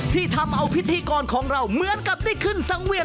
ที่ทำเอาพิธีกรของเราเหมือนกับได้ขึ้นสังเวียน